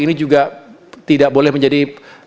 ini juga tidak boleh menjadi